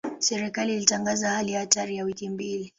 Serikali ilitangaza hali ya hatari ya wiki mbili.